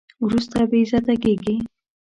وروسته بې عزته کېږي.